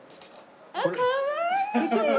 あっかわいい！